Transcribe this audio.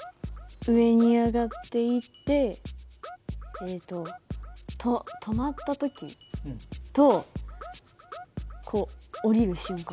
上に上がっていってえっとと止まった時とこう下りる瞬間？